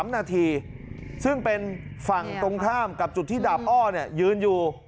๓นาทีซึ่งเป็นฝั่งตรงข้ามกับจุดที่ดาบอ้อยืนอยู่